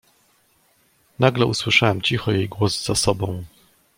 "Nagle usłyszałem cicho jej głos za sobą."